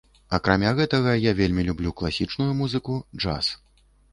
Акрамя гэтага я вельмі люблю класічную музыку, джаз.